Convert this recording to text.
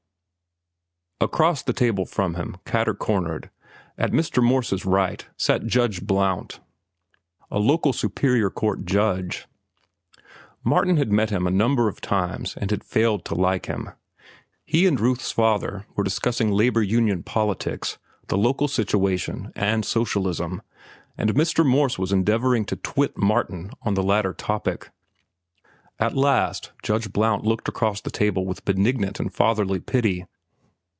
Across the table from him, cater cornered, at Mr. Morse's right, sat Judge Blount, a local superior court judge. Martin had met him a number of times and had failed to like him. He and Ruth's father were discussing labor union politics, the local situation, and socialism, and Mr. Morse was endeavoring to twit Martin on the latter topic. At last Judge Blount looked across the table with benignant and fatherly pity.